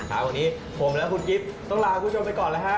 ครับวันนี้ผมและคุณกิ๊บต้องลาคุณผู้ชมไปก่อนแล้วฮะ